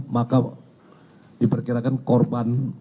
maka diperkirakan korban